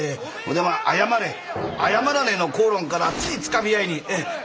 でまあ謝れ謝らねえの口論からついつかみ合いにええ。